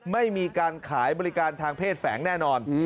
ไม่มีการขายบริการทางเพศแฝงแน่นอน